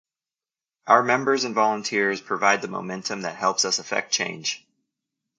Our members and volunteers provide the momentum that helps us effect change.